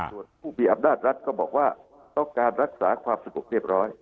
ส่วนผู้มีอำนาจรัฐก็บอกว่าต้องการรักษาความสงบเรียบร้อย